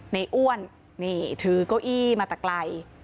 อ้วนนี่ถือเก้าอี้มาแต่ไกล